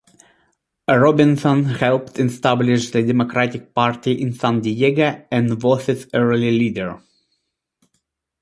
Robinson helped establish the Democratic Party in San Diego, and was its early leader.